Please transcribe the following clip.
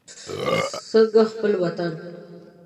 څنګه خپل وطن.